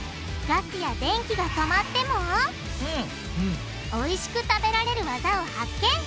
ガスや電気が止まってもおいしく食べられるワザを発見！